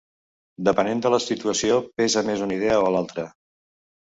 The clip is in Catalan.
Depenent de la situació pesa més una idea o l'altra.